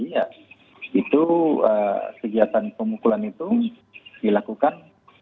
jadi ya itu kegiatan pemukulan itu dilakukan